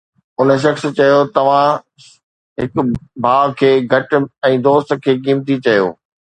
ان شخص چيو: توهان هڪ ڀاءُ کي گهٽ ۽ دوست کي قيمتي چيو